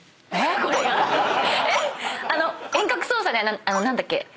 これが⁉遠隔操作で何だっけ？